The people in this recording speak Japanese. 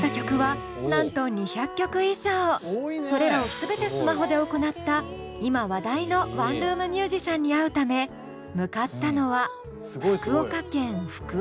これまでそれらを全てスマホで行った今話題のワンルームミュージシャンに会うため向かったのは福岡。